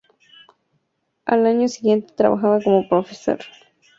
Al año siguiente trabaja como profesor auxiliar del Instituto Pedagógico de Varones de Lima.